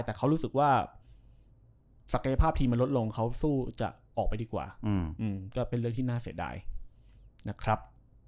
แต่เขารู้สึกว่าศักยภาพทีมมันลดลงเขาสู้จะออกไปดีกว่าก็เป็นเรื่องที่น่าเสียดายนะครับ